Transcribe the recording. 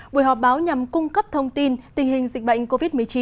buổi họp báo nhằm cung cấp thông tin tình hình dịch bệnh covid một mươi chín